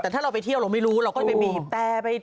แต่ถ้าเราไปเที่ยวเราไม่รู้เราก็จะไปบีบแต่